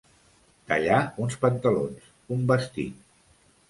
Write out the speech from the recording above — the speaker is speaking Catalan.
Tallar uns pantalons, un vestit.